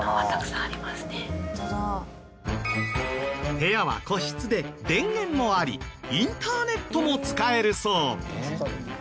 部屋は個室で電源もありインターネットも使えるそう。